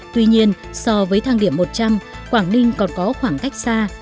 tuy nhiên so với thang điểm một trăm linh quảng ninh còn có khoảng cách xa